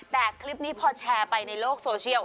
แต่คลิปนี้พอแชร์ไปในโลกโซเชียล